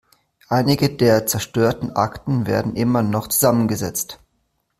Einige der zerstörten Akten werden immer noch zusammengesetzt.